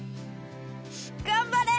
頑張れ！